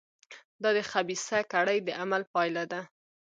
دا د خبیثه کړۍ د عمل پایله ده.